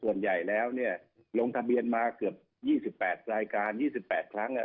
ส่วนใหญ่แล้วลงทะเบียนมาเกือบ๒๘รายการ๒๘ครั้ง